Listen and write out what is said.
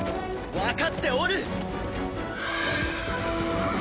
わかっておる。